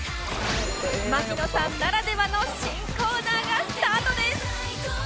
槙野さんならではの新コーナーがスタートです